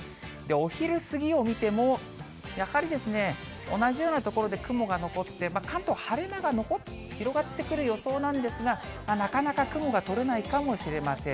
お昼過ぎを見ても、やはりですね、同じような所で雲が残って、関東、晴れ間が広がってくる予想なんですが、なかなか雲が取れないかもしれません。